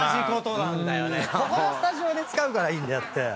ここのスタジオで使うからいいんであって。